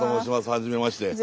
はじめまして。